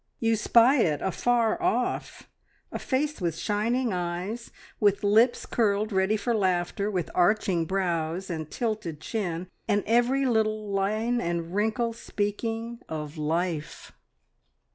You spy it afar off a face with shining eyes, with lips curled ready for laughter, with arching brows, and tilted chin, and every little line and wrinkle speaking of life.